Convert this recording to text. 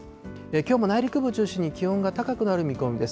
きょうも内陸部を中心に気温が高くなる見込みです。